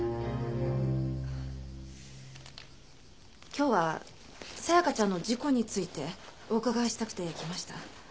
今日は紗弥香ちゃんの事故についてお伺いしたくて来ました。